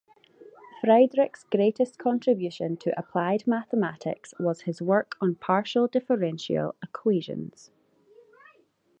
Friedrichs' greatest contribution to applied mathematics was his work on partial differential equations.